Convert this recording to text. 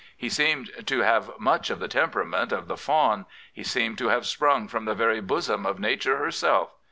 He seemed to have much of the temperament of the fawn; he seemed to have sprung from the very bosom of Nature herself.